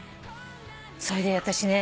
それで私ね